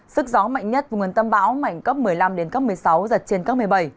sức gió mạnh nhất vùng gần tâm bão mạnh cấp một mươi năm đến cấp một mươi sáu giật trên cấp một mươi bảy